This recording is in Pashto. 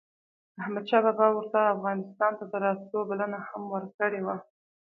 احمد شاه بابا ورته افغانستان ته دَراتلو بلنه هم ورکړې وه